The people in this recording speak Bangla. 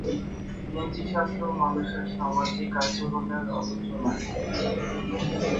নীতিশাস্ত্র মানুষের সামাজিক আচরণের আলোচনা।